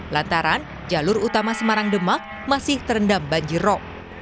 lantaran jalur utama semarang demak masih terendam banjir rob